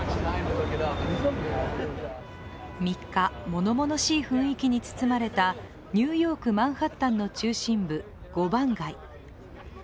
３日、ものものしい雰囲気に包まれたニューヨークマンハッタンの中心部、５番街。